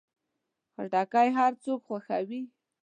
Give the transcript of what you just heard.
خټکی هر څوک خوښوي.